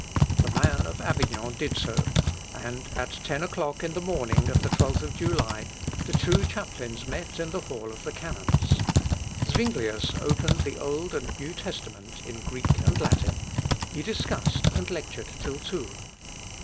The man of Avignon did so, and at ten o'clock on the morning of the 12th of July, the two chaplains met in the hall of the canons. Zuinglius opened the Old and New Testament in Greek and Latin: he discussed and lectured till two.